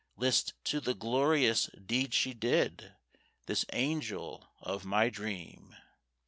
List to the glorious deed she did, This angel of my dream.